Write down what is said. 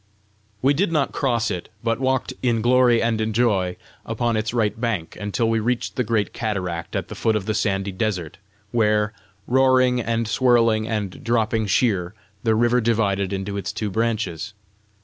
We did not cross it, but "walked in glory and in joy" up its right bank, until we reached the great cataract at the foot of the sandy desert, where, roaring and swirling and dropping sheer, the river divided into its two branches.